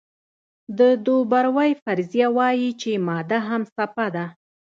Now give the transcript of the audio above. د دوبروی فرضیه وایي چې ماده هم څپه ده.